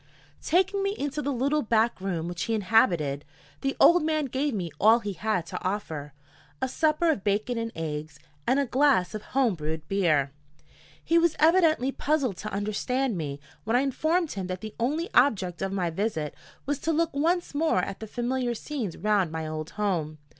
Taking me into the little back room which he inhabited, the old man gave me all he had to offer a supper of bacon and eggs and a glass of home brewed beer. He was evidently puzzled to understand me when I informed him that the only object of my visit was to look once more at the familiar scenes round my old home.